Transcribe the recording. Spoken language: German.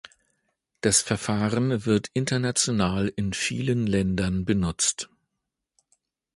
Das Verfahren wird international in vielen Ländern benutzt.